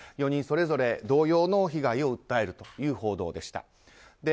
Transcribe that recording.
４人それぞれ同様の被害を訴えるという報道でした。